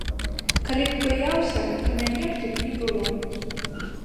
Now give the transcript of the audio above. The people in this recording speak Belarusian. Калі б баяўся, то мяне б тут не было.